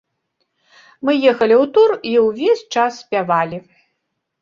Мы ехалі ў тур і ўвесь час спявалі.